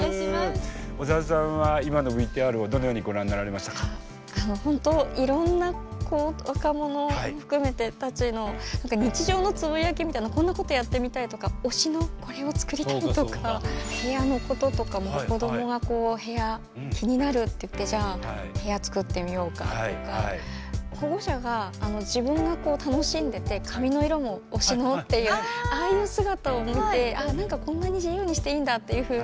小澤さんは今のＶＴＲをどのようにご覧になられましたか？本当いろんな子若者を含めて日常のつぶやきみたいなこんなことやってみたいとか推しのこれを作りたいとか部屋のこととかも子どもが部屋気になるっていって部屋作ってみようかとか保護者が自分が楽しんでて髪の色も推しのっていうああいう姿を見て何かこんなに自由にしていいんだというふうに。